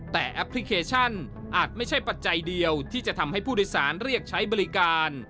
แต่แอปพลิเคชันอาจไม่ใช่ปัจจัยเดียวที่จะทำให้ผู้โดยสารเรียกใช้บริการ